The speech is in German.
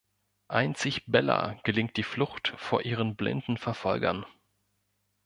Einzig Bella gelingt die Flucht vor ihren blinden Verfolgern.